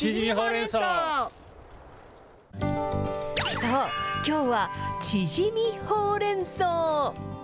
そう、きょうは、ちぢみほうれんそう。